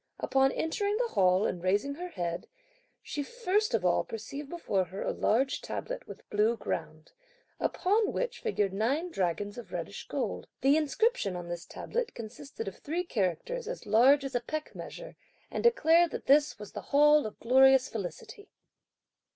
Upon entering the Hall, and raising her head, she first of all perceived before her a large tablet with blue ground, upon which figured nine dragons of reddish gold. The inscription on this tablet consisted of three characters as large as a peck measure, and declared that this was the Hall of Glorious Felicity.